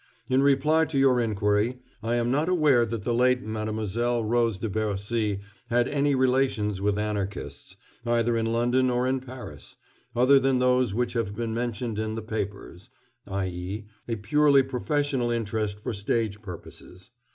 In reply to your inquiry, I am not aware that the late Mlle. Rose de Bercy had any relations with Anarchists, either in London or in Paris, other than those which have been mentioned in the papers i.e., a purely professional interest for stage purposes.